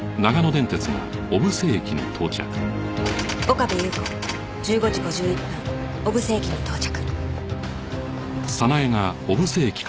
岡部祐子１５時５１分小布施駅に到着